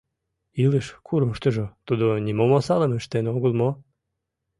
Илыш курымыштыжо тудо нимом осалым ыштен огыл мо?